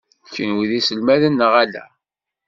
Kenwi d iselmaden neɣ ala?